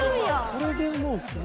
これでどうする？